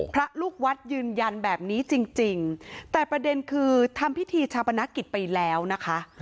พระลูกวัดยืนยันแบบนี้จริงแต่ประเด็นคือทำพิธีชาปนกิจไปแล้วนะคะ